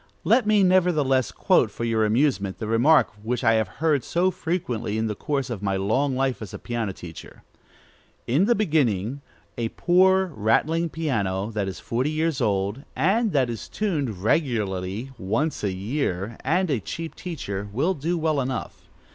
Let me nevertheless quote for your amusement the remark which I have heard so frequently in the course of my long life as a piano teacher: "In the beginning, a poor, rattling piano, that is forty years old, and that is tuned regularly once a year, and a cheap teacher, will do well enough.